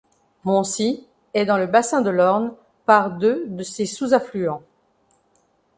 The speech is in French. Moncy est dans le bassin de l'Orne, par deux de ses sous-affluents.